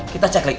kita cek lik